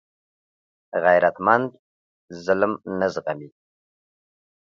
غیرتمند ظلم نه زغمي